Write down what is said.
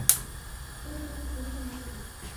todos son asquerosamente ricos